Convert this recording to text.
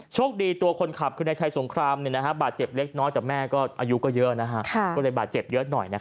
โชคดีตัวคนขับคือนายชัยสงครามบาดเจ็บเล็กน้อยแต่แม่ก็อายุก็เยอะก็เลยบาดเจ็บเยอะหน่อย